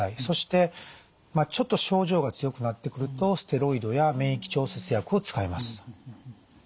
そしてちょっと症状が強くなってくるとステロイドや免疫調節薬を使います。